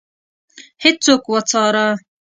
هیڅوک وڅاره.